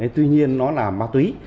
tuy nhiên nó là ma túy